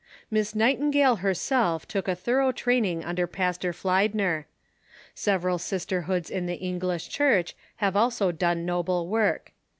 Miss Nightingale herself took a thorough training under Pastor Fliedner. Several sisterhoods in the English Church have also done noble work.